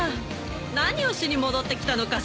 何をしに戻ってきたのかしら？